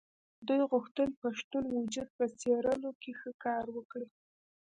دوی غوښتل پښتون وجود په څېرلو کې ښه کار وکړي.